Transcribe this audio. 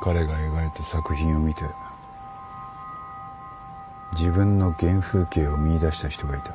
彼が描いた作品を見て自分の原風景を見いだした人がいた。